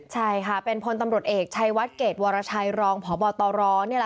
ใช่ค่ะเป็นพลตำรวจเอกชัยวัดเกรดวรชัยรองพบตร